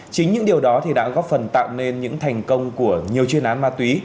chính những điều đó thì đã góp phần tạo nên những thành công của nhiều chuyên án ma túy